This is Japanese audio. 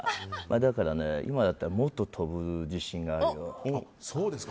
だから今だったらもっと飛ぶ自信があるよ。